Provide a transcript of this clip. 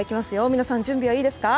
皆さん、準備はいいですか？